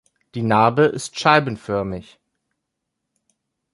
Die Narbe ist scheibenförmig.